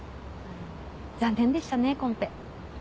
残念でしたねコンペ。